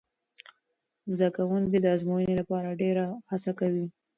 زده کوونکي د ازموینې لپاره ډېره هڅه کوي.